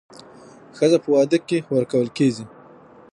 ښځه په واده کې ورکول کېږي